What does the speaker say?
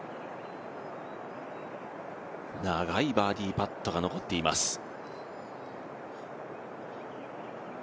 長いバーディーパットが残っています。